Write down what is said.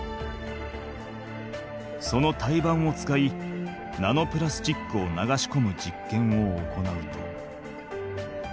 その胎盤を使いナノプラスチックを流しこむじっけんを行うと。